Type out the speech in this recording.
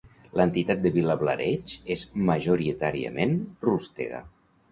L'entitat de Vilablareix és majoritàriament rústega.